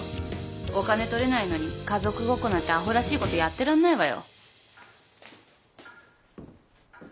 お金取れないのに家族ごっこなんてアホらしいことやってらんないわよ。